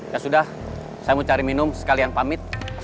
ya sudah saya mau cari minum sekalian pamit